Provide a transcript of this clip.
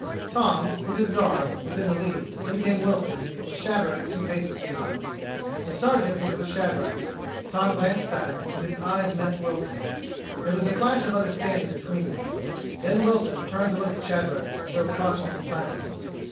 Tom, with his guards, was in the lead; then came Wilson, with Shadrack a few paces behind him. The Sergeant was with Shadrack. Tom glanced back, and his eyes met Wilson's. There was a flash of understanding between them; then Wilson turned to look at Shadrack, as though cautioning silence.